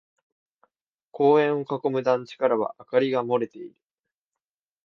公園を囲む団地からは明かりが漏れている。